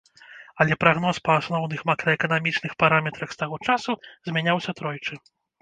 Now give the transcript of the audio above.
Але прагноз па асноўных макраэканамічных параметрах з таго часу змяняўся тройчы.